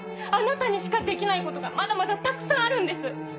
あなたにしかできないことがまだまだたくさんあるんです！